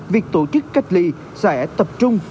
việc tổ chức cách ly sẽ tập trung